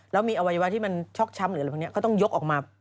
แล้วมีอวัยวะที่มันช็อกช้ำตรงเนี่ยเขาต้องยกออกมา